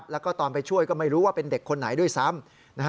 แล้วก็ตอนไปช่วยก็ไม่รู้ว่าเป็นเด็กคนไหนด้วยซ้ำ